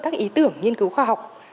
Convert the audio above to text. các ý tưởng nghiên cứu khoa học